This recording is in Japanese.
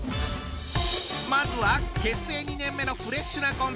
まずは結成２年目のフレッシュなコンビ。